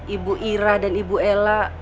ibu ira dan ibu ella